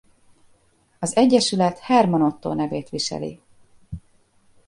Az Egyesület Herman Ottó nevét viseli.